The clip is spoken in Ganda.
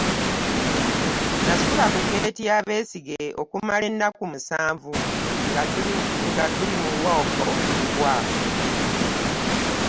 Nasula ku ggeeti ya Besigye okumala ennaku musanvu nga tuli mu ‘Walk to Work.'